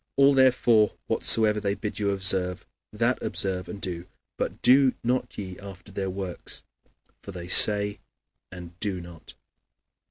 "All, therefore, whatsoever they bid you observe, that observe and do; but do not ye after their works: for they say, and do not" (Matt.